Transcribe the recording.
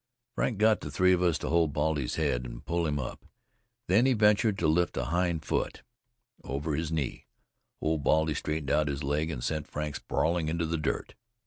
Frank got the three of us to hold Baldy's head and pull him up, then he ventured to lift a hind foot over his line. Old Baldy straightened out his leg and sent Frank sprawling into the dirt.